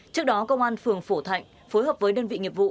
trước đó công an phường phổ thạnh phối hợp với đơn vị nghiệp vụ